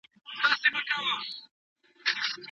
د ښوونځي د نظم او ډسپلین مراعاتول د هر زده کوونکي دنده ده.